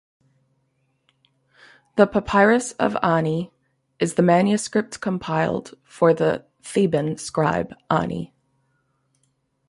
The "Papyrus of Ani" is the manuscript compiled for the Theban scribe Ani.